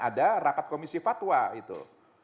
ada rapat komisi fatwa itu